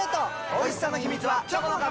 おいしさの秘密はチョコの壁！